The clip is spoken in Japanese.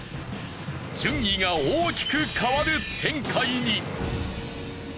順位が大きく変わる展開に。